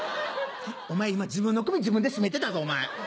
お前今自分の首自分で絞めてたぞ。